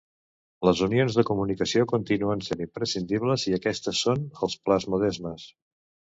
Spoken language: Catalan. Les unions de comunicació continuen sent imprescindibles; i aquestes són els plasmodesmes.